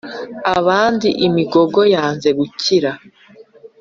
Abandi imigongo yanze gukira